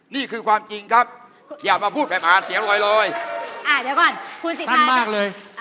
นี่คือความจริงครับอย่ามาพูดแผงปาเสียงลอย